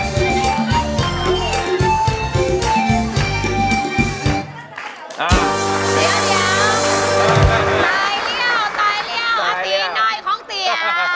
เพลงออกอีสันอย่างเนี่ย